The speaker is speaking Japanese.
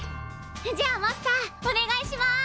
じゃあマスターお願いします！